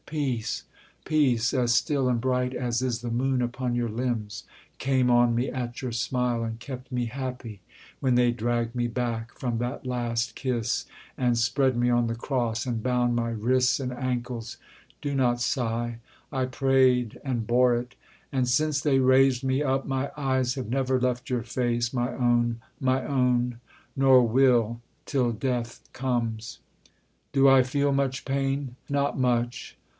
Peace, peace, as still and bright as is the moon Upon your limbs, came on me at your smile, And kept me happy, when they dragged me back From that last kiss, and spread me on the cross, And bound my wrists and ankles Do not sigh: I prayed, and bore it: and since they raised me up My eyes have never left your face, my own, my own, Nor will, till death comes! ... Do I feel much pain? Not much.